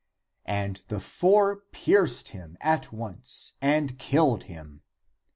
" And the four pierced him at once and killed him.